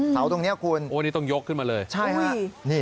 สาวตรงนี้คุณต้องยกขึ้นมาเลยใช่ครับ